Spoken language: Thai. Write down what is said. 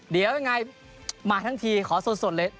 เดี๋ยวยังไงมาทั้งทีขอสดเลย